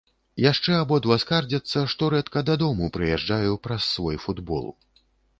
Яшчэ абодва скардзяцца, што рэдка дадому прыязджаю праз свой футбол.